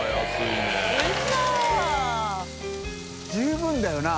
十分だよな。